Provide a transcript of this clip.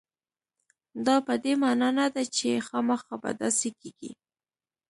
دا په دې معنا نه ده چې خامخا به داسې کېږي.